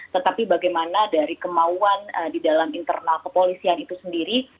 tetapi bagaimana dari kemauan di dalam internal kepolisian itu sendiri